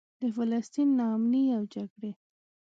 د فلسطین نا امني او جګړې.